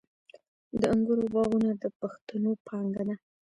د انګورو باغونه د پښتنو پانګه ده.